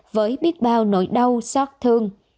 với biết bao nỗi đau xót thương